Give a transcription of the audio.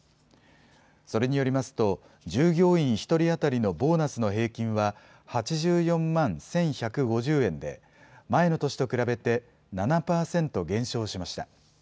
それによりますと、従業員１人当たりのボーナスの平均は８４万１１５０円で、前の年と比べて、７％減少しました。